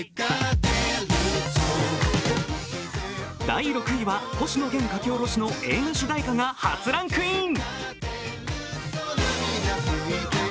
第６位は星野源描き下ろしの映画主題歌が初ランクイン。